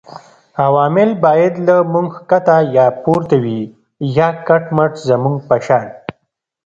عوامل باید له موږ ښکته یا پورته وي یا کټ مټ زموږ په شان